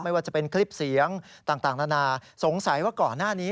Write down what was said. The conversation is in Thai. ไม่ว่าจะเป็นคลิปเสียงต่างนานาสงสัยว่าก่อนหน้านี้